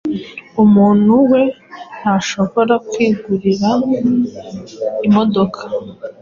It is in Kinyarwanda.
Umuntu we ntashobora kwigurira imodoka